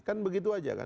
kan begitu saja kan